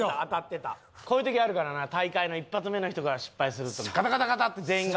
こういう時あるからな大会の一発目の人が失敗するとガタガタガタって全員が。